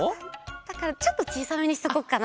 だからちょっとちいさめにしとこっかな。